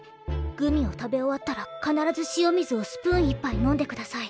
グミを食べ終わったら、かならず塩水をスプーン１杯飲んでください。